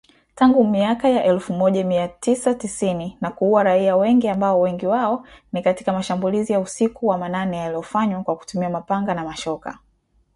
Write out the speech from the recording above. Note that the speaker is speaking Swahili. Tangu miaka ya elfu moja mia tisa tisini na kuua raia wengi ambapo wengi wao ni katika mashambulizi ya usiku wa manane yaliyofanywa kwa kutumia mapanga na mashoka